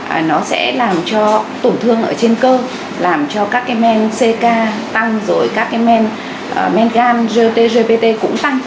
nên là các bệnh nhân sẽ làm cho tổn thương ở trên cơ làm cho các men ck tăng rồi các men men gan gut gbt cũng tăng